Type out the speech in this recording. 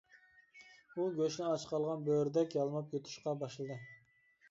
ئۇ گۆشنى ئاچ قالغان بۆرىدەك يالماپ يۇتۇشقا باشلىدى.